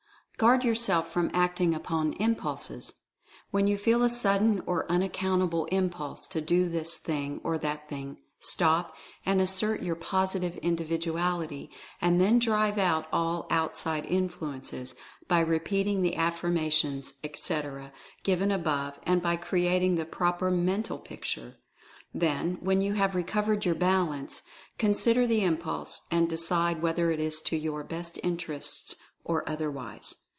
Guard yourself from acting upon "impulses." When you feel a sudden or unaccountable "impulse" to do this thing, or that thing, stop and assert your Positive Individuality, and then drive out all outside influences, by repeating the Affirmations, etc., given above, and by creating the proper Mental Picture. Then, when you have recovered your balance, con sider the impulse, and decide whether it is to your best interests, or otherwise.